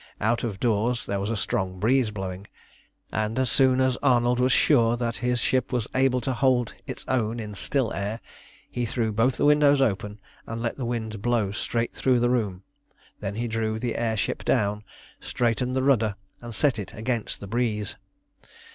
Out of doors there was a strong breeze blowing, and as soon as Arnold was sure that his ship was able to hold its own in still air, he threw both the windows open and let the wind blow straight through the room. Then he drew the air ship down, straightened the rudder, and set it against the breeze.